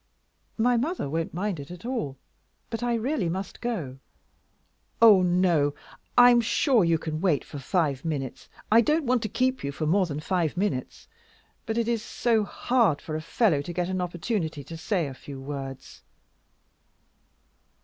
"My mother won't mind it at all; but I really must go." "Oh no. I am sure you can wait for five minutes. I don't want to keep you for more than five minutes. But it is so hard for a fellow to get an opportunity to say a few words."